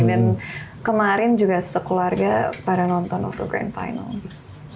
dan kemarin juga sekeluarga para nonton of the grand final